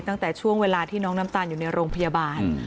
ตั้งแต่ช่วงเวลาที่น้องน้ำตาลอยู่ในโรงพยาบาล